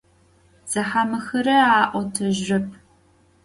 Zexamıxıre a'otejırep.